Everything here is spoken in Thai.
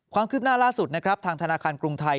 ความคืบหน้าล่าสุดนะครับทางธนาคารกรุงไทย